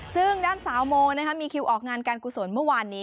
ซึ่งด้านสาวโมมีคิวออกงานการกุศลเมื่อวานนี้